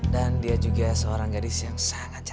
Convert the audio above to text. dan dia juga seorang gadis yang sangat cantik om